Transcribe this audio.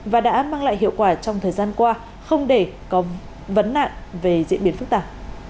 và đã mang lại hiệu quả trong thời gian qua không để có vấn nạn về diễn biến phức tạp